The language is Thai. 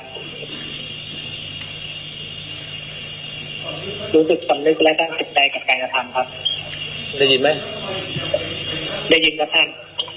รู้สึกสำนึกและตั้งจิตใจกับการกระทำครับได้ยินไหมได้ยินครับท่าน